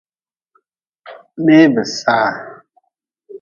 Mee bi saha.